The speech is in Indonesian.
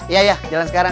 iya iya jalan sekarang